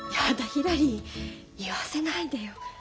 ひらり言わせないでよ。